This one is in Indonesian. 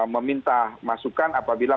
meminta masukan apabila